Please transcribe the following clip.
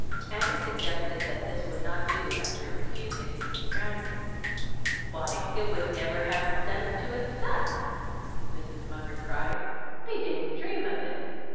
Annie suggested that this would not do after refusing Mrs. Brandreth. "Why, it would never have done to accept!" Mrs. Munger cried. "They didn't dream of it!"